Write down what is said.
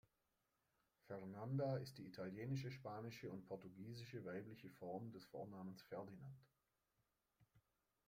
Fernanda ist die italienische, spanische und portugiesische weibliche Form des Vornamens Ferdinand.